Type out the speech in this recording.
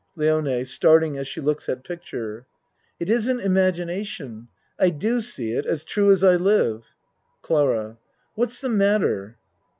LIONE (Starting as she looks at picture.) It isn't imagination. I do see it as true as I live. CLARA What's the matter?